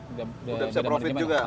udah bisa profit juga